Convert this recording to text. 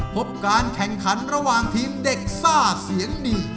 พบการแข่งขันระหว่างทีมเด็กซ่าเสียงดี